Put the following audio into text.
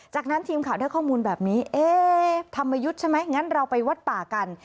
จากนั้นทีมข่าวได้ข้อมูลแบบนี้เอ๊ธรรมยุทธ์ใช่ไหมงั้นเราไปวัดป่ากัน